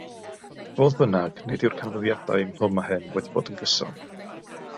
Fodd bynnag, nid yw'r canfyddiadau ynghlwm â hyn wedi bod yn gyson.